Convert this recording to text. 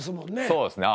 そうですね。